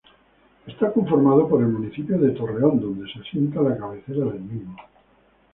Esta conformado por el municipio de Torreón donde se asienta la cabecera del mismo.